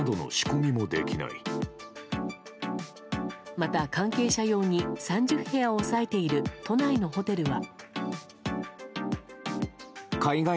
また、関係者用に３０部屋を抑えている都内のホテルは。